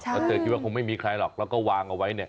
แต่เจอคิดว่าคงไม่มีใครหรอกแล้วก็วางเอาไว้